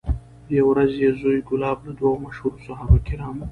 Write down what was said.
یوه ورځ یې زوی کلاب له دوو مشهورو صحابه کرامو